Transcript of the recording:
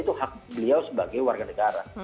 itu hak beliau sebagai warga negara